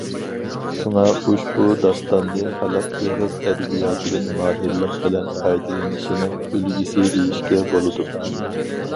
شۇڭا ئۇشبۇ داستاننى خەلق ئېغىز ئەدەبىياتىدىن ماھىرلىق بىلەن پايدىلىنىشنىڭ ئۈلگىسى دېيىشكە بولىدۇ.